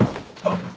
あっ。